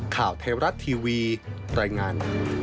ข่าวไทยรัฐทีวีรายงาน